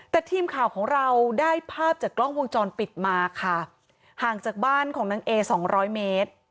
แต่ทีมข่าวของเราได้ภาพจากกล้องวงจรปิดมาค่ะห่างจากบ้านของนางเอสองร้อยเมตร